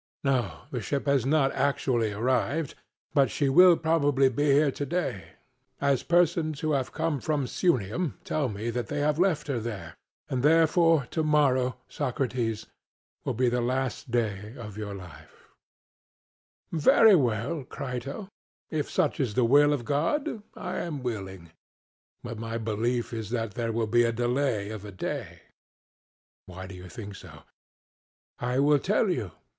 CRITO: No, the ship has not actually arrived, but she will probably be here to day, as persons who have come from Sunium tell me that they have left her there; and therefore to morrow, Socrates, will be the last day of your life. SOCRATES: Very well, Crito; if such is the will of God, I am willing; but my belief is that there will be a delay of a day. CRITO: Why do you think so? SOCRATES: I will tell you.